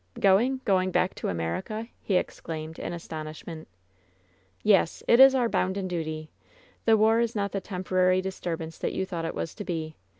^^Ooingl Going back to America!" he exclaimed, in astonishments. "Yes. It is our bounden duty. The war is not the temporary disturbance that you thought it was to be.